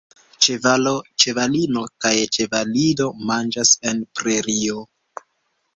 Ĉevalo, ĉevalino kaj ĉevalido manĝas en prerio.